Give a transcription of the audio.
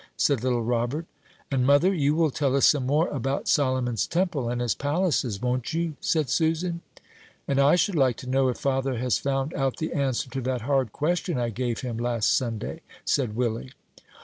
said little Robert. "And, mother, you will tell us some more about Solomon's temple and his palaces, won't you?" said Susan. "And I should like to know if father has found out the answer to that hard question I gave him last Sunday?" said Willie.